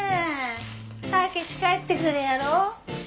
武志帰ってくるやろ？